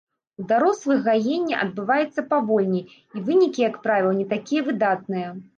У дарослых гаенне адбываецца павольней, і вынікі, як правіла, не такія выдатныя.